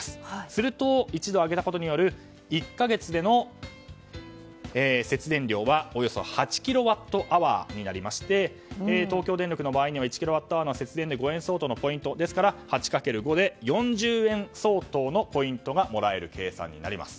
すると１度上げたことによる１か月での節電量はおよそ８キロワットアワーになりまして東京電力の場合には５円相当のポイントですから８×５で４０円相当のポイントがもらえる計算になります。